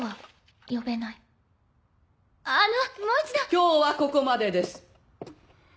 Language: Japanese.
今日はここまでです。